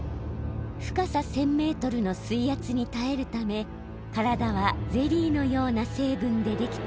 深さ１，０００メートルの水圧にたえるためからだはゼリーのような成分でできています。